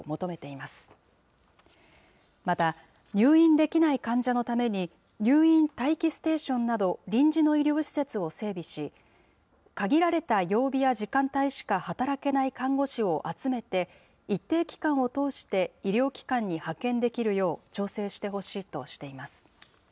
また、入院できない患者のために、入院待機ステーションなど、臨時の医療施設を整備し、限られた曜日や時間帯しか働けない看護師を集めて、一定期間を通して、医療機関に派遣できるよう調整してほしいとしています。